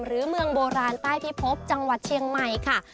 เมืองโบราณใต้พิพบจังหวัดเชียงใหม่ค่ะ